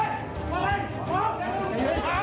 ขวางดูใจเลย